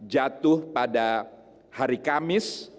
jatuh pada hari kamis